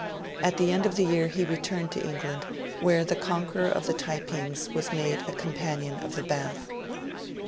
At the end of the year he returned to England, where the conqueror of the Taipings was made a Companion of the Bath.